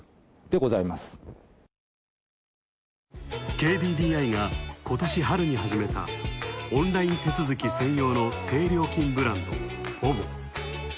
ＫＤＤＩが今年春に始めたオンライン手続き専用の低料金ブランド、ポヴォ。